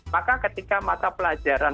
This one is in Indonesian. maka ketika mata pelajaran